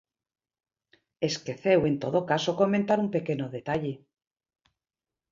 Esqueceu en todo caso comentar un pequeno detalle.